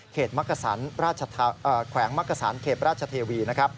แขกแขวงมักกระสานแขกราชเทวี